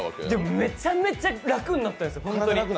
めちゃめちゃ楽になったんです、ほんとに。